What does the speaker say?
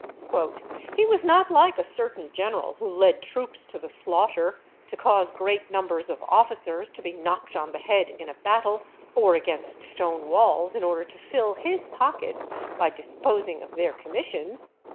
"He was not like a certain general, who led troops to the slaughter, to cause great numbers of officers to be knocked on the head in a battle, or against stone walls, in order to fill his pockets by disposing of their commissions."